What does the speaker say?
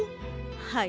はい。